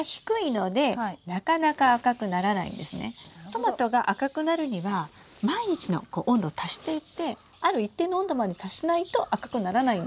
トマトが赤くなるには毎日の温度を足していってある一定の温度まで達しないと赤くならないんですよ。